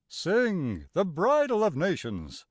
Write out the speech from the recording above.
Sing the bridal of nations!